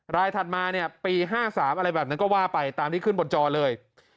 ถัดมาเนี่ยปี๕๓อะไรแบบนั้นก็ว่าไปตามที่ขึ้นบนจอเลย